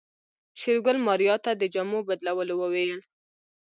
شېرګل ماريا ته د جامو بدلولو وويل.